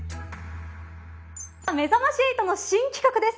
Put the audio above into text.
めざまし８の新企画です。